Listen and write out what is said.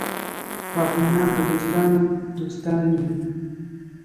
واکمنان د دوستانو دوستان وي.